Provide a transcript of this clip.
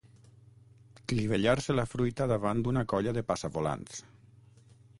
Clivellar-se la fruita davant d'una colla de passa-volants.